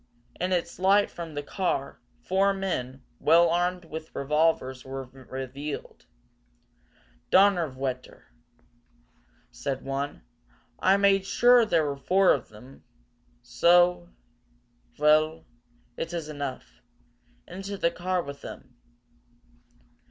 In its light from the car, four men, well armed with revolvers, were revealed. "Donnerwetter!" said one. "I made sure there were four of them! So! Vell, it is enough. Into the car with them!"